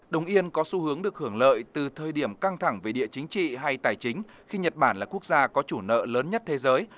đồng yên có xu hướng được hưởng lợi từ thời điểm căng thẳng về địa chính trị hay tài chính khi nhật bản là quốc gia có chủ nợ lớn nhất thế giới